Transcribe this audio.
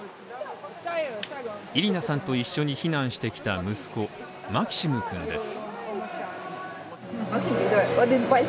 イリナさんと一緒に避難してきた息子・マキシム君です。